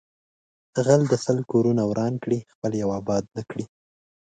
غل د سل کورونه وران کړي خپل یو آباد نکړي